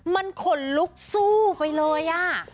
มันขนลุกสู้ไปเลย